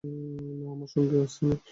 না, আমার সঙ্গে আস্তে নয়।